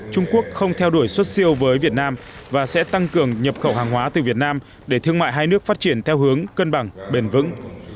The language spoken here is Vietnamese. trung quốc không theo đuổi xuất siêu với việt nam và sẽ tăng cường nhập khẩu hàng hóa từ việt nam để thương mại hai nước phát triển theo hướng cân bằng bền vững